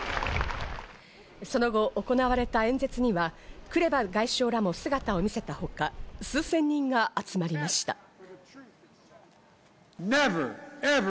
その後、行われた演説にはクレバ外相らも姿を見せたほか、数千人が集まりました。